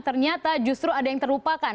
ternyata justru ada yang terlupakan